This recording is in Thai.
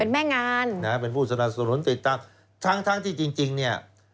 เป็นแม่งานเป็นผู้สนับสนุนติดตามทั้งที่จริงเนี่ย